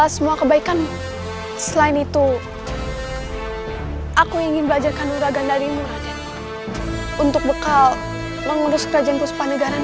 semoga kalian segera menemukan obat untuk nyai ratu subanglarang